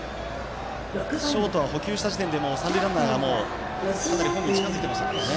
ショートは捕球した時点で三塁ランナーが、もうかなりホームに近づいてましたからね。